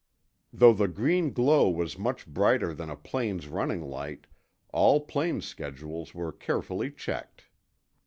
Though the green glow was much brighter than a plane's running light, all plane schedules were carefully checked.